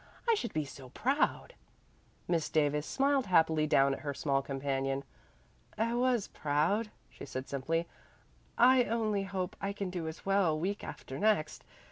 I should be so proud." Miss Davis smiled happily down at her small companion. "I was proud," she said simply. "I only hope I can do as well week after next.